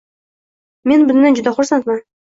Men bundan juda xursandman.